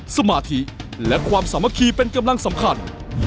สมาธิและความสามัคคีเป็นกำลังสำคัญ